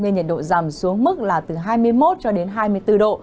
nên nhiệt độ giảm xuống mức là từ hai mươi một cho đến hai mươi bốn độ